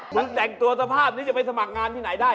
ถ้าแจงตัวสภาพจะไปสมัครงานไหนได้